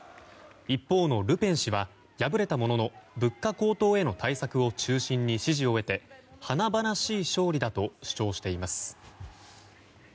一方のルペン氏は敗れたものの物価高騰への対策を中心に支持を得て、華々しい勝利だと主張しています。